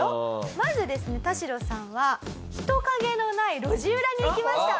まずですねタシロさんは人影のない路地裏に行きました。